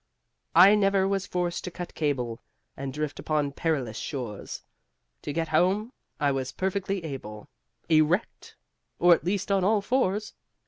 I never was forced to cut cable And drift upon perilous shores, To get home I was perfectly able, Erect, or at least on all fours.